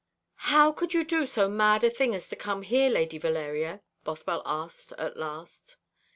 "How could you do so mad a thing as to come here, Lady Valeria?" Bothwell asked, at last.